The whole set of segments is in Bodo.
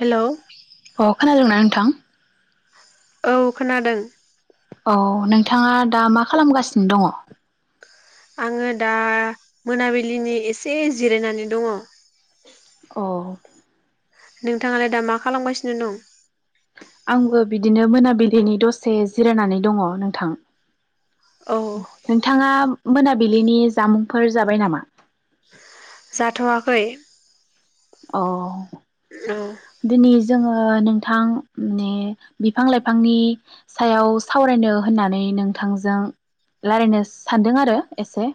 हेलौ अ खोनादोंना नोंथां? औ खोनादों। औ नोंथाङा दा मा खालामगासिनो दङ? आङो दा मोनाबिलिनि एसे जिरायनानै दङ। अ नोंथाङालाय दा मा खालामगासिनो दं? आंबो बिदिनो मोनाबिलिनि दसे जिरायनानै दङ नोंथां। औ नोंथाङा मोनाबिलिनि जामुंफोर जाबाय नामा? जाथवाखै। अ औ दिनै जोङो नोंथां माने बिफां लाइफांनि सायाव सावरायनो होननानै नोंथांजों लायरायनो सानदों आरो एसे।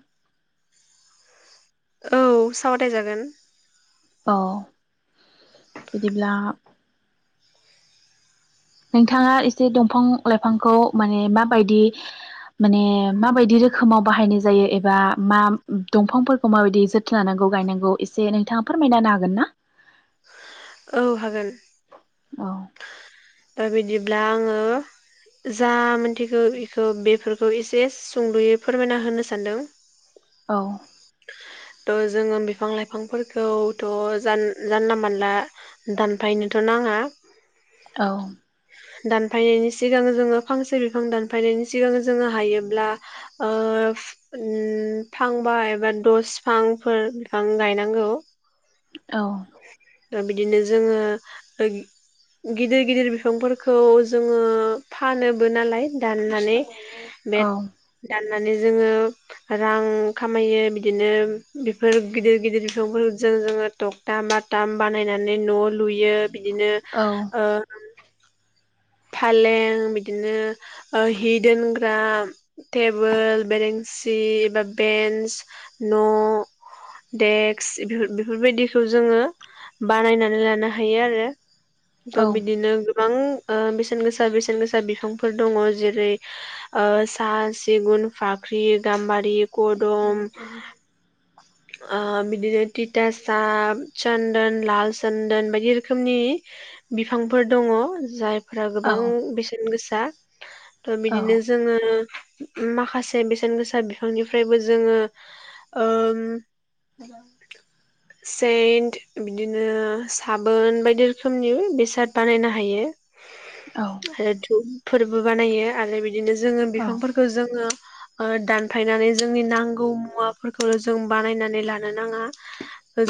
औ सावराय जागोन। औ बिदिब्ला नोंथाङा एसे दंफां-लाइफांखौ माने माबायदि माने माबायदि रोखोमाव बाहायनाय जायो एबा मा दंफांफोरखौ माबायदि जोथोन लानांगौ गायनांगौ एसे नोंथाङा फोरमायना होनो हागोन ना? औ हागोन। औ दा बिदिब्ला आङो जा मोनथिगौ बेखौ बेफोरखौ एसे सुंद'यै फोरमायना होनो सानदों। औ थ' जोङो बिफां लाइफांफोरखौथ' जानला मानला दानफायनोथ' नाङा। औ दानफायनायनि सिगां जोङो फांसे बिफां दानफायनायनि सिगां जोङो हायोब्ला ओ फांबा एबा दस फांफोर बिफां गायनांगौ। औ दा बिदिनो जोङो गिदि गिदिर बिफांफोरखौ जोङो फानोबो नालाय दाननानै औ बेद दान नानै जोंङो रां खामायो बिदिनो बिफोर गिदिर गिदिर बिफां जों जोंङो थंथा बाथाम बानायनानै न' लुयो बिदिनो आ- फालें बिदिनो हि दोनग्रा टेबोल बेरेेंसि बा बेन्स न' देक्स बेफोरबायदिखौ जोंङो बानायनानै लानो हायो आरो औ थ बिदिनो गोबां ओ- बेसेन गोसा बेसेन गोसा बिफांफोर दंङ जेरै साल सिगुन फाख्रि गाम्बारि कदम बिदिनो तितासाब चन्दोन लाल चन्दोन बायदि रोखोमनि बिफांफोर दंङ जाय फोरा औ गोबां बेसेन गोसा जा दा औ बिदिनो जोंङो माखासे बेसेन गोसा बिफांनिफ्रायबो जोंङो ओ-ओम [inaudible] सेन्ट बिदिनो साबोन बायदि रोखोमनि बेसाद बानायनो हायो औ आरोथ फोरबो बानायो आरो बिदिनो जोंङो बिफांफोरखौ जोंङो दानफायनानै जोंनि नांगौ मुवाफोरखौ जों बानायनानै लानो नांङा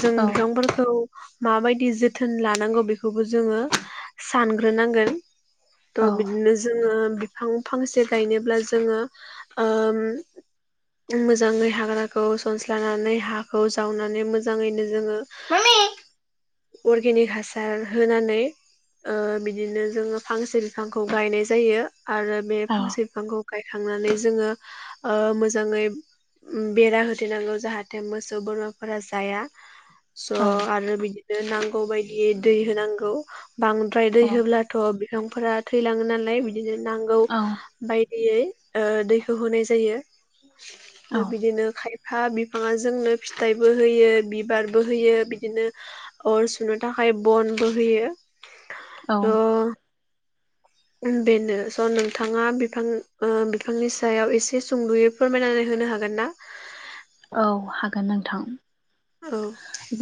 जों बिफांफोरखौ माबायदि जोथोन लानांगौ बेखौबो जोंङो सानग्रोनांगोन त बिदिनो जोंङो बिफां फांसे गायनोब्ला जोंङो ओम- मोजाङै हाग्राखौ सनस्रा जानानै हाखौ जावनानै मोजाङैनो जोंङो अरगेनिक हासार होनानै ओ- बिदिनो जोंङो फांसे बिफांखौ गायनाय जायो आरो बे फांसे बिफांखौ गायखांनानै जोंङो आ- मोजाङै बेरा होथेनांगौ जाहाथे मोसौ बोरमाफोरा जाया स' आरो बिदि बि नांगौ बायदि दै होनांगौ बांद्राय दै होब्लाथ बिफांफोरा थैलाङो नालाय बि बिदिनो नांगौ बाय यै ओ दैखौ होनाय जायो औ दा बिदिनो खाय हा बि फांआ जोंनो फिथाइबो होयो बिबारबो होयो बिदिनो अर सुनो थाखाय बनबो होयो ओ औ बेनो स'नोंथाङा बिफां ओ बिफांनि सायाव एसे सुंद'यै फोरमायनानै होनो हागोन ना औ हागोन नोंथां। औ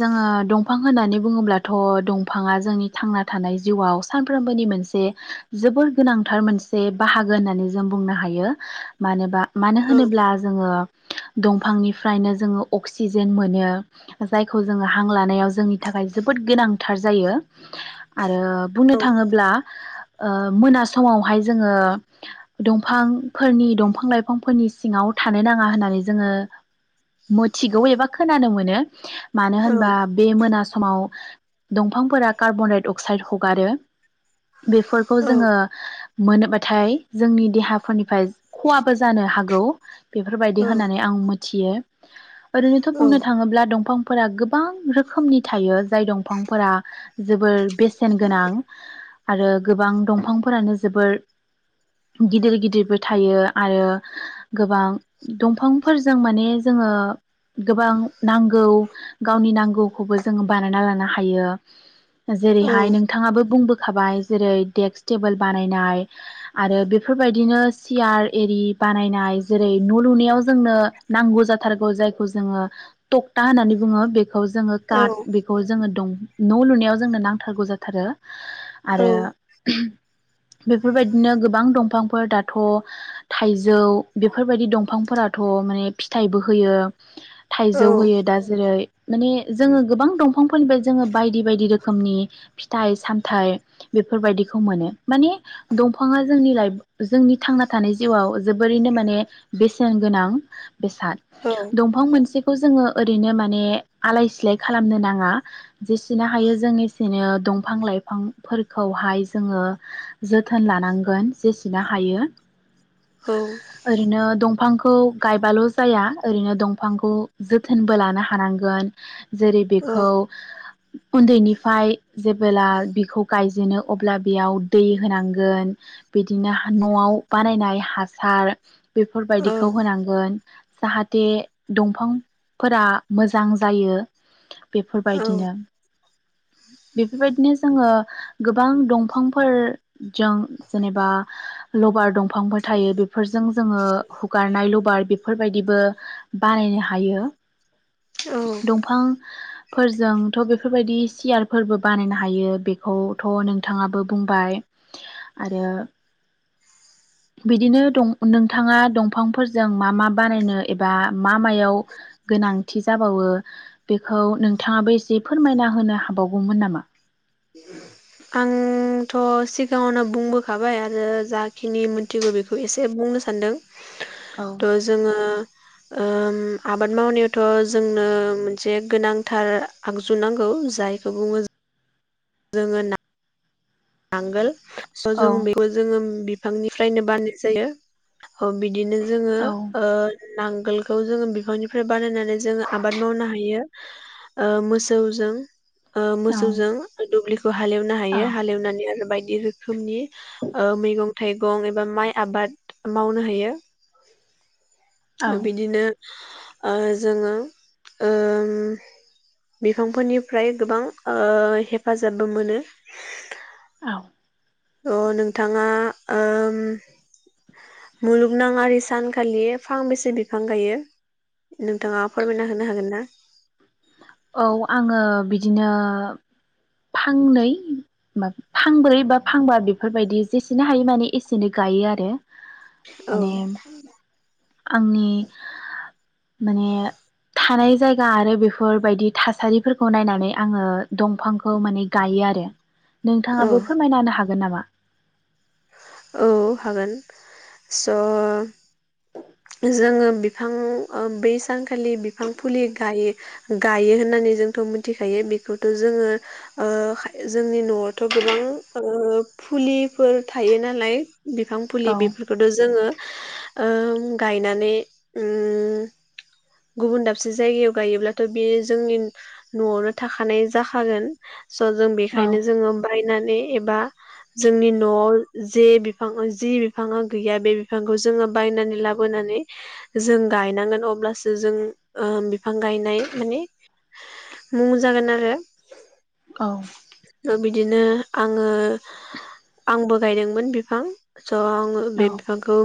जोङो दं फां होननानै बुङोब्लाथ' दंफाङा जोंनि थांना थानाय जिउआव सानफ्रोमबोनि मोनसे जोबोर गोनांथार मोनसे बाहागो होननानै जों बुंनो हायो। मानोबा मानो औ होनोब्ला जोङो दंफांनिफ्रायनो जोङो अक्सिजेन मोनो जायखौ जोङो हां लानायाव जोंनि थाखाय जोबोद गोनांथार जायो। आरो बुंनो औ थाङोब्ला ओ मोना समावहाय जोङो दंफांफोरनि दंफां लाइफांफोरनि सिङाव थानो नाङा होननानै जोङो मिथिगौ एबा खोनानो मोनो मानो औ होनबा बे मोना स माव दंफांफोरा कार्बन डाइ अक्साइड हगारो बेफोरखौ औ जोङो मोनोबाथाय जोंनि देहाफोरनिफ्राय खहाबो जानो हागौ। बेफोरबायदि औ होननानै आं थियो ओरैनोथ' औ बुंनो थाङोब्ला दं फांफोरा गोबां रोखोमनि थायो जाय दंफांफोरा जोबोर बेसेन गोनां आरो गोबां दंफांफोरानो जोबोर गिदिर गिदिरबो थायो आरो गोबां दंफांफोरजों माने जोङो गोबां नां गौ गावनि नांगौखौबो जोङो बानायना लानो हायो। जेरैहाय औ नोंथाङाबो बुंबो खाबाय जेरै डेक्स टेबोल बानायनाय आरो बेफोरबायदिनो सियार एरि बानायनाय जेरै- न' लुनायाव जोंनो नांगौ जाथारगौ जायखौ जोङो टकटा होननानै बुङो बे खौ जोङो औ काट बेखौ जोङो दं न' लुनायाव जोंनो नांथारगौ जाथारो औ आरो [unintelligible] बेफोरबायदिनो गोबां दंफांफोर दाथ' थाइजौ बेफोरबायदि दंफांफोराथ' माने फिथाइबो होयो थाइज जौ होयो दा जेरै- माने जोङो गोबां दंफांफोरनिफ्राय जोङो बायदि बायदि रोखोमनि फिथाइ सामथाइ बेफोरबायदिखौ मोनो माने दंफाङा जोंनि लाइफ जोंनि थांना थानाय जिउआव जोबोरैनो माने बेसेन गोनां बेसाद औ दंफां मोनसे खौ जोङो ओरैनो माने आलाय सिलाय खालामनो नाङा। जेसेनो हायो जों एसेनो दं फां लाइफांफोरखौहाय जोङो जोथोन लानांगोन जेसेनो हायो ओरैनो दंफांखौ खौ गायबाल' जाया ओरैनो दंफांखौ जोथोनबो लानो हानांगोन जेरै- औ बेखौ उन्दैनिफ्राय जेबोब्ला बिखौ गायजेनो अब्ला बेयाव दै होनांगोन बिदिनो न'आव बानायनाय हासार औ बेफोरबायदिखौ होनांगोन जाहाथे दंफां फोरा मोजां जायो। बेफोरबायदिनो औ बेफोरबायदिनो जोङो गोबां दंफांफोरजों जेनेबा लबार दंफांफोर थायो बेफोरजों जों जोङो हुगारनाय लबार बेफोरबायदिबो बानायनो हा हायो औ दंफां फोरजोंथ' बेफोरबायदि सियारफोरबो बानायनो हायो बेखौथ' नोंथाङाबो बुंबाय आरो बिदिनो दं नोंथाङा दंफांफोरजों मा मा बानायनो एबा मा मा मायाव गोनांथि जाबावो बेखौ नोंथाङाबो एसे फोरमायना होनो हाबावगौमोन नामा? आंथ' सिगाङावनो बुंबोखाबाय आरो जाखिनि मिथिगौ बेखौ एसे बुंनो सानदों औ थ' जोङो ओ आबाद मावनायावथ' जोंनो मोनसे गोनांथार आगजु नांगौ जायखौ बुङो जोङो ना नांगोल स' औ जों बेखौ जोङो बि बिफांनिफ्रायनो बानाय जायो। ह बि बिदिनो जोङो औ नांगोलखौ जोङो बिफांनिफ्राय बानायनानै म जोङो आबाद मावनो हायो। ओ मोसौजों ओ मोसौजों दुब्लिखो बो हाल एवनो औ हायो हालेवनानै। ओरैबायदि रोखोमनि मैगं थाइगं एबा माइ आबाद मावनो हायो। औ ओ बिदिनो। ओ जोङो ओम बिफांफोरनिफ्राय गोबां ओ हेफाजाबबो मोनो। औ। अ नोंथाङा मुलुगनाङि सानखालि फांबेसे बिफां गायो नोंथाङा फोरमायना होनो हागोन ना। औ आङो बिदिनो फांनै म फांब्रै बा फांबा बेफोरबायदि जेसेनो हायो माने एसेनै गायो आरो। औ। माने आंनि माने थानाय जायगा आरो बेफोर। बायदि थासारिफोरखौ नायनानै आङो दंफांखौ माने गायो आरो। औ नोंथाङाबो फोरमायनो हागोन। नामा औ हागोन स' जोङो बिफां बै सानखालि बिफां फुलि गायो गायो होननानै जोंथ' मिथिखायो बेखौथ' जोङो जोंनि न'आवथ' गोबां फुलिफोर थायोना। लाइक। बिफां फुलि औ बेफोरखौथ' जोङो ओं गायनानै ओम गुबुन दाबसे जायगायाव गायोब्लाथ' बे जोंनि न'आवनो थाखानाय जाखागोन। स' जों औ बेनिखायनो जोङो। बायनानै एबा जोंनि न'आव जे बिफां जि बिफाङा गैया बे बिफांखौ जोङो बायनानै लाबोनानै जों गायनांगोन अब्लासो जों बिफां गायनाय माने मुं जागोन आरो। औ ओ बिदिनो आङो आंबो गायदोंमोन बिफां। स आङो औ बे बिफांखौ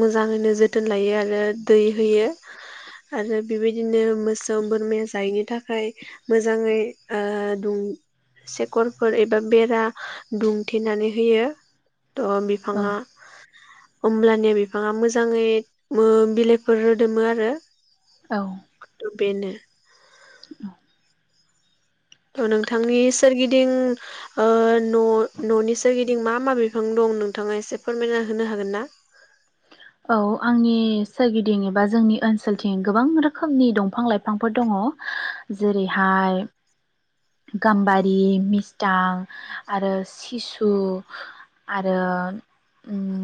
मोजाङैनो जोथोन लायो आरो दै होयो आरो बेबायदिनो मोसौ बोरमाया जायैनि थाखाय मोजाङै ओ दुं सेकरफोर एबा बेरा दुंथेनानै होयो। थ' औ बिफाङा। ओमब्लानि बिफाङा मोजाङै ओम बिलाइफोर रोदोमो आरो। थ' बेनो। औ थ नोंथांनि सोरगिदिं ओ न'-न'नि सोरगिदिं मा मा बिफां दं नोंथाङा एसे फोरमायना होनो हागोन ना? औ आंनि सोरगिदिं एबा जोंनि ओनसोलथिं गोबां रोखोमनि दंफां लाइफांफोर दङ जेरैहाय गाम्बारि मिस्थां आरो सिसु आरो ओम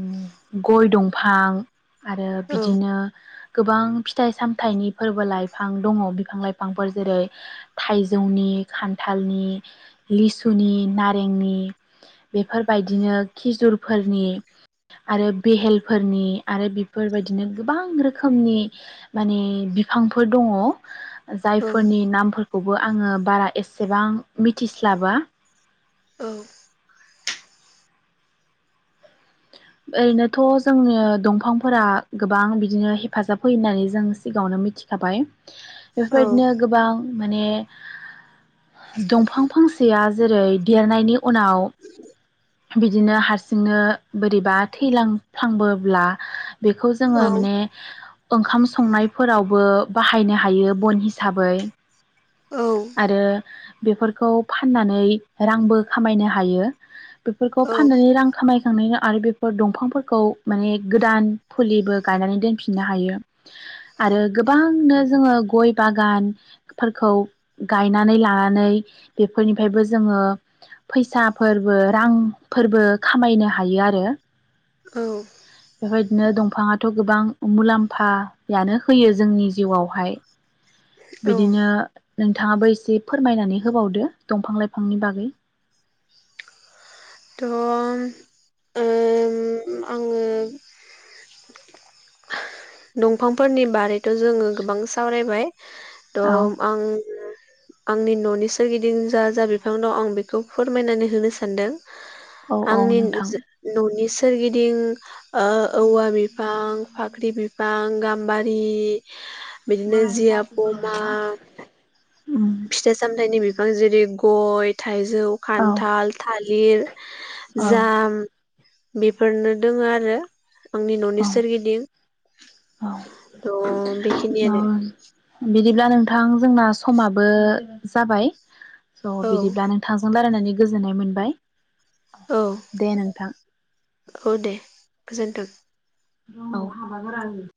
गय दंफां फां आरो औ बिदिनो गोबां फिथाइ सामथाइनि फोरबो लाइफां दङ बिफां लाइफांफोर जेरै थाइजौनि खान्थालनि लिसुनि नारेंनि बेफोरबायदिनो खिजुरफोरनि आरो बेहेल। फोरनि आरो बेफोरबायदिनो गोबां रोखोमनि माने बिफांफोर दङ। औ जायफोरनि नामफोरखौ। खौबो आङो बारा एसेबां मिथिस्लाबा। औ। ओरैनोथ' जोंङो दंफांफोरा गोबां बिदिनो हेफाजाब होयो होननानै जों सिगाङावनो मिथिखाबाय औ बेफोरबायदिनो गोबां माने दंफां सानसेयाव जेरै देरनायनि उनाव बिदिनो हारसिंनो बोरैबा थैलांफ्लांबोब्ला। बेखौ जोङो माने ओंखाम संनायफोरावबो बाहायनो हायो बन हिसा साबै औ फाननानै रांबो खामायनो हायो। बेफोरखौ औ फाननानै रां खामाय थांनायनि आरो बेफोर दंफांफोरखौ माने गोदान फुलिबो गायनानै दोनफिननो हायो आरो गोबांनो जोङो गय बागानफोर खौ गायनानै लानानै बेफोरनिफ्रायबो जोङो फैसाफोरबो रांफोरबो खामायनो हायो आरो। औ बेबायदिनो दंफाङाथ' गोबां मुलाम्फायानो होयो जोंनि जिउआवहाय। औ बिदिनो नोंथाङाबो एसे फोरमायनानै होबावदो दंफां लाइफांनि बागै। दं आङो दंफांफोरनि बारै जोङो गोबां सावरायबाय। त' औ आं आंनि न'नि सोरगिदिं जा-जा बिफां दं आं बेखौ फोरमायनानै होनो सानदों। औ औ आंनि नोंथां [unintelligible] न'नि सोरगिदिं ओ औवा बिफां फाख ख्रि बिफ फां गाम्बारि बिदिनो जिया पमा उम फिथाइ सामथाइनि बिफां जेरै गय थाइजौ औ खान्थाल थालि लिर औ जाम बेफोरनो दोङ आरो‌। आंनि औ न'नि सोरगिदिं औ त बेखिनियानो। दिब्ला नोंथां जोंना समाबो जाबाय। स' औ बिदिब्ला नोंथांजों रायलायनानै गोजोननाय मोनबाय। औ दे नोंथां। औ दे गोजोन्थों। रुमाव [inaudible] हाबा गारानो